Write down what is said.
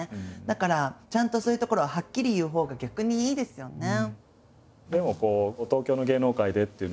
だからちゃんとそういうところははっきり言うほうが逆にいいですよね。